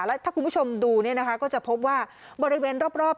แล้วถ้าคุณผู้ชมดูเนี่ยนะคะก็จะพบว่าบริเวณรอบ